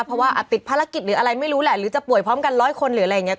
เพราะว่าติดภารกิจหรืออะไรไม่รู้แหละหรือจะป่วยพร้อมกันร้อยคนหรืออะไรอย่างนี้